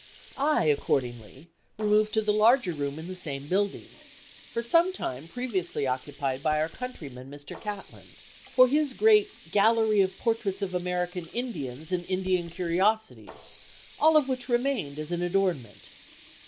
I accordingly removed to the larger room in the same building, for some time previously occupied by our countryman, Mr. Catlin, for his great Gallery of Portraits of American Indians and Indian Curiosities, all of which remained as an adornment.